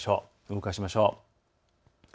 動かしましょう。